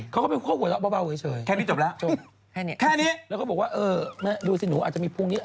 เขาก็หัวเราะเบาเฉยแล้วก็บอกว่าเออรู้สิหนูอาจจะมีพวกนี้